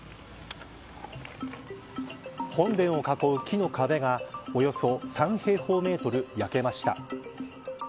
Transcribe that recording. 本殿を囲う、木の壁がおよそ３平方メートル焼けました。